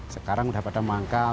sekarang udah pada mangkal